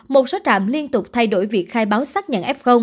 một số trạm liên tục thay đổi việc khai báo xác nhận f